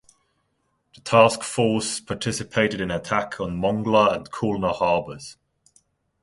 The task force participated in an attack on Mongla and Khulna harbours.